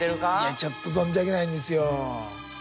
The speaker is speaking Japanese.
いやちょっと存じ上げないんですよ。